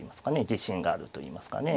自信があるといいますかね。